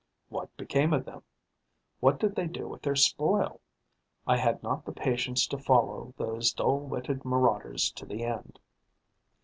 What became of them? What did they do with their spoil? I had not the patience to follow those dull witted marauders to the end.